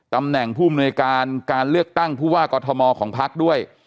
ตำแหน่งผู้อำนวยการการเลือกตั้งผู้ว่ากอทมของพักด้วย